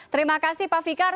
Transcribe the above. terima kasih pak fikar